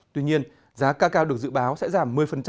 tuy nhiên giá cacao được dự báo sẽ giảm một mươi